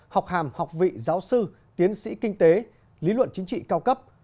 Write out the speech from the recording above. học hàm học vị giáo sư tiến sĩ kinh tế lý luận chính trị cao cấp